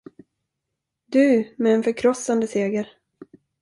Du, med en förkrossande seger.